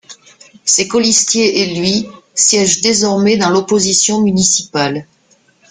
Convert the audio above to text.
Ses colistiers et lui siègent désormais dans l'opposition municipale.